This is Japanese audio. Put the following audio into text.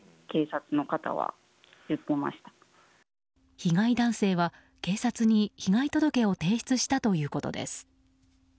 被害男性は警察に被害届を提出したということです。